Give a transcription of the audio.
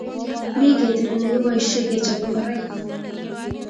Mi ketit ne keboisie kechope ngoroik